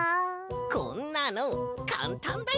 こんなのかんたんだよ！